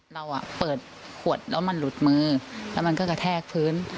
เราเปิดขวดแล้วมันหลุดมือแล้วมันก็กระแทกพื้น